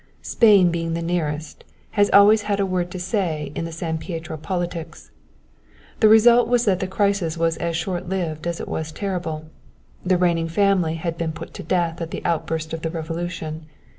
Spain, being the nearest, has always had a word to say in the San Pietro politics. The result was that the crisis was as short lived as it was terrible. The reigning family had been put to death at the outburst of the revolution.